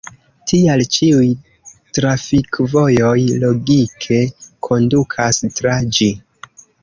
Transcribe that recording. Tial ĉiuj trafikvojoj logike kondukas tra ĝi.